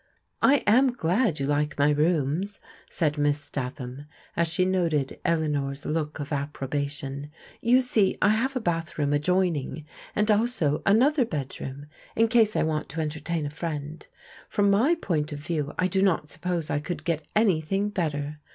" I am glad you like my rooms," said Miss Statham as she noted Eleanor's look of approbation. "You see, I haw a bath room adjoining, and also another bedroom in case I want to entertain a frirad. From my point of view, I do not suppose I could get anything better.